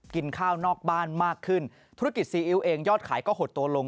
กินข้าวนอกบ้านมากขึ้นธุรกิจซีอิ๊วเองยอดขายก็หดตัวลง